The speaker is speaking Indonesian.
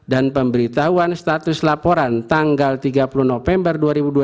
dan pemberitahuan status laporan tanggal tiga puluh november dua ribu dua puluh tiga